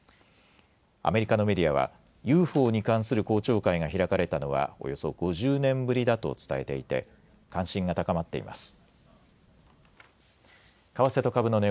アメリカのメディアはＵＦＯに関する公聴会が開かれたのはおよそ５０年ぶりだと伝えていて関心が高まっています。